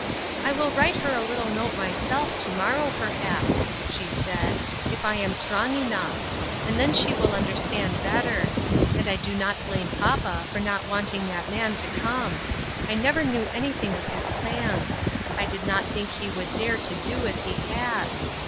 " I will write her a little note myself, to morrow, perhaps," she said, "if I am strong enough, and then she will understand better ; and DAYS OF PRIVILEGE. 269 I do not blame papa for not wanting that man to come. I never knew anything of his plans ; I did not think he would dare to do as he has.